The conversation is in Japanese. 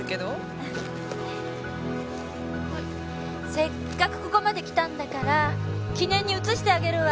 せっかくここまで来たんだから記念に写してあげるわ。